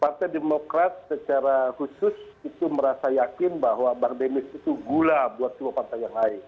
partai demokrat secara khusus itu merasa yakin bahwa bang demis itu gula buat semua partai yang lain